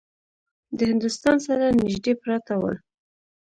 د هندوستان سره نیژدې پراته ول.